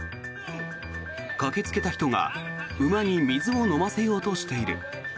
駆けつけた人が馬に水を飲ませようとしている。